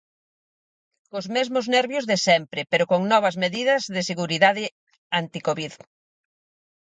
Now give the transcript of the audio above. Cos mesmos nervios de sempre, pero con novas medidas de seguridade anticovid.